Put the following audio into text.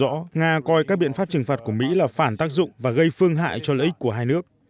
rõ nga coi các biện pháp trừng phạt của mỹ là phản tác dụng và gây phương hại cho lợi ích của hai nước